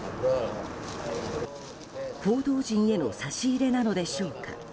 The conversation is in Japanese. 報道陣への差し入れなのでしょうか。